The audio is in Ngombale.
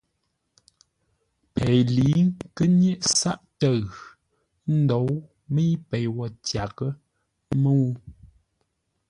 Pei lə̌i kə́ nyéʼ sáʼ-təʉ ə́ ndóu mə́i pei wo tyaghʼə́ mə́u.